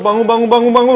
bangun bangun bangun bangun